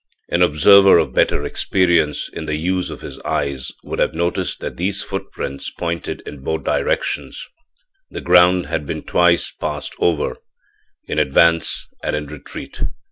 An observer of better experience in the use of his eyes would have noticed that these footprints pointed in both directions; the ground had been twice passed over in advance and in retreat.